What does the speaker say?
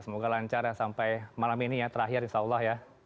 semoga lancar ya sampai malam ini ya terakhir insya allah ya